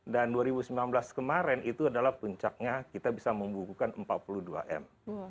dan dua ribu sembilan belas kemarin itu adalah puncaknya kita bisa membukukan empat puluh dua m